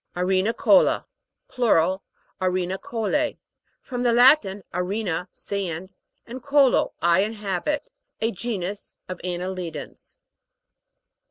ARENICO'LA (Plural, arenicolffi). From the Latin, arena, sand, and colo, I inhabit. A genus of anne lidans.